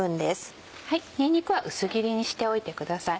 にんにくは薄切りにしておいてください。